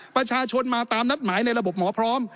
ประชาชนมาตามนัดหมายในระบบหมอพร้อม